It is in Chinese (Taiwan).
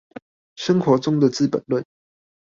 生活中的資本論